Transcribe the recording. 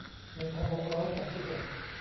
หนึ่งพันหกร้อยสามสิบเอ็ด